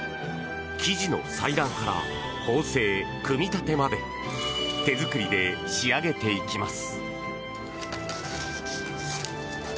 生地の裁断から縫製組み立てまで手作りで仕上げていきます。